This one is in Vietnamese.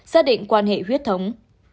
xác định quan hệ huyết thống